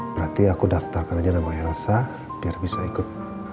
berarti aku daftarkan aja nama erasa biar bisa ikut